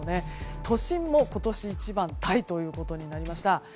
都心も今年一番タイになりました。